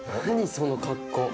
その格好。